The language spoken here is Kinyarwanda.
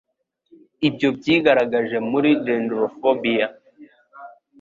Ibyo byigaragaje muri dendrophobia.